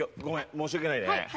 申し訳ないね。